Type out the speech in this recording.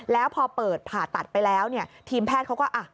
แล้วพอเปิดผ่าตัดไปแล้วเนี่ยทีมแพทย์เขาก็